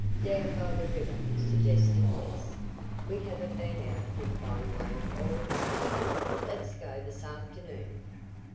"Down by the river," suggested Bess. "We haven't been out Woodbine way all summer. Let's go this afternoon."